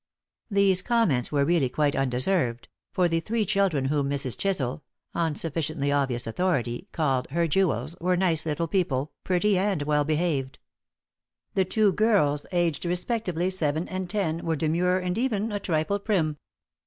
These comments were really quite undeserved; for the three children whom Mrs. Chisel on sufficiently obvious authority called "her jewels" were nice little people, pretty and well behaved. The two girls, aged respectively seven and ten, were demure and even a trifle prim.